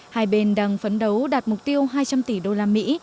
hai bên đang phấn đấu đạt mục tiêu hai trăm linh tỷ usd